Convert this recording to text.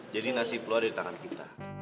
jadi nasib lo ada di tangan kita